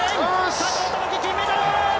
佐藤友祈、金メダル！